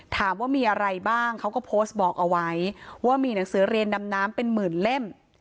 ถามว่ามีอะไรบ้างเขาก็โพสต์บอกเอาไว้ว่ามีหนังสือเรียนดำน้ำเป็นหมื่นเล่ม